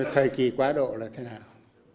thời kỳ quá độ là thế nào